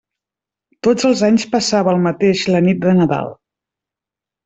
Tots els anys passava el mateix la nit de Nadal.